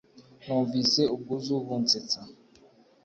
nunvise ubwuzu bunsesta